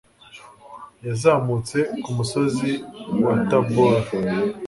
yazamutse ku musozi wa taboru